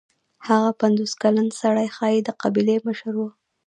هغه پنځوس کلن سړی ښايي د قبیلې مشر و.